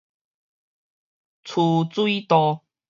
趨水道